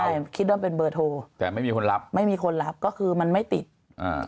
ใช่คิดว่าเป็นเบอร์โทรแต่ไม่มีคนรับไม่มีคนรับก็คือมันไม่ติดอ่า